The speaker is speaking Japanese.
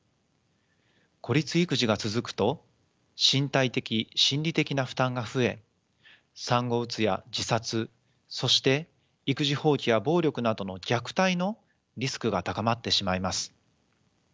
孤立育児が続くと身体的・心理的な負担が増え産後うつや自殺そして育児放棄や暴力などの虐待のリスクが高まってしまいます。